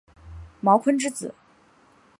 茅坤之子。